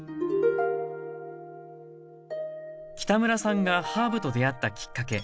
北村さんがハーブと出会ったきっかけ。